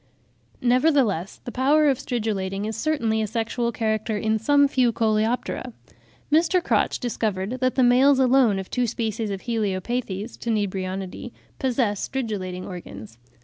Nevertheless, the power of stridulating is certainly a sexual character in some few Coleoptera. Mr. Crotch discovered that the males alone of two species of Heliopathes (Tenebrionidae) possess stridulating organs.